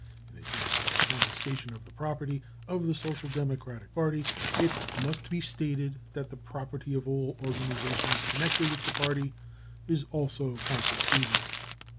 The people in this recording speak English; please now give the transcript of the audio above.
In addition to the confiscation of the property of the Social Democratic Party, it must be staged that the property of all organisations con nected with the party is also confiscated.